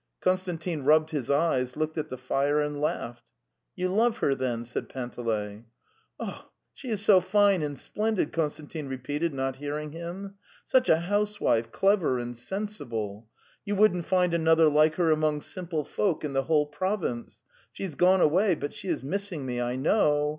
Konstantin rubbed his eyes, looked at the fire and laughed. "You love her, then, ..." said Panteley. "She is so fine and splendid," Konstantin re peated, not hearing him; " such a housewife, clever and sensible. You wouldn't find another like her among simple folk in the whole province. She has gone away. ... But she is missing me, I kno ow!